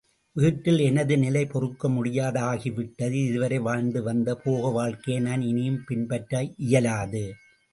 வீட்டில் எனது நிலை பொறுக்க முடியாததாகிவிட்டது. இதுவரை வாழ்ந்து வந்த போக வாழ்க்கையை நான் இனியும் பின்பற்ற இயலாது.